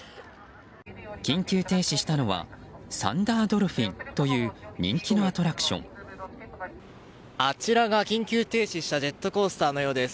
緊急停止したのはサンダードルフィンというあちらが緊急停止したジェットコースターのようです。